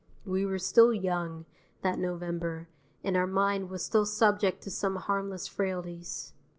(We were still young, that November, and our mind was still subject to some harmless frailties.)